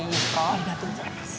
ありがとうございます。